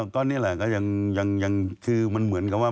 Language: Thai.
ก็นี่แหละก็ยังคือมันเหมือนกับว่า